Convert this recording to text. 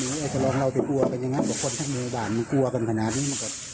ตอนนี้ก็จะลองเราไปกลัวกันอย่างนั้นทุกคนทั้งมือบ่านมันกลัวกันขนาดนี้